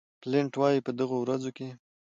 بلنټ وایي په دغه ورځو کې.